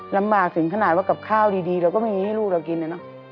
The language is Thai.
ลำบากถึงขนาดว่ากับข้าวดีเราก็ไม่มีให้ลูกเรากินนะเนอะ